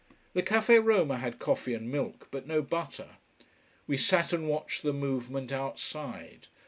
The Café Roma had coffee and milk, but no butter. We sat and watched the movement outside.